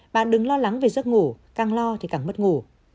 bạn đừng lo lắng về giấc ngủ càng lo thì càng mất ngủ